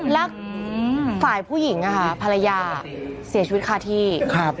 แล้วฝ่ายผู้หญิงอะค่ะภรรยาเสียชีวิตค่าที่ครับ